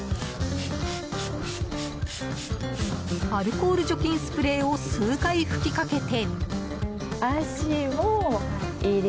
アルコール除菌スプレーを数回噴きかけて。